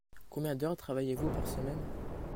Combien d'heures travaillez-vous par semaine ?